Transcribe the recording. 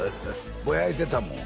ぼやいてたもん